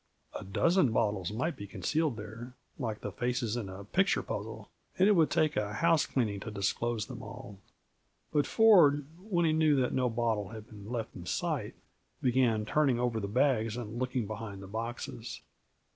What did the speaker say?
A dozen bottles might be concealed there, like the faces in a picture puzzle, and it would take a housecleaning to disclose them all. But Ford, when he knew that no bottle had been left in sight, began turning over the bags and looking behind the boxes.